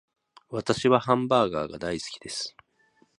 私はハンバーガーが大好きです